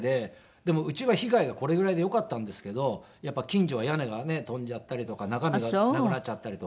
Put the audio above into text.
でもうちは被害がこれぐらいでよかったんですけどやっぱり近所は屋根がね飛んじゃったりとか中身がなくなっちゃったりとか。